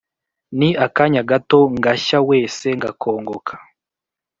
ni akanya gato ngashya wese ngakongoka,